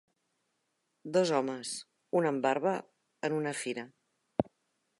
Dos homes, un amb barba, en una fira.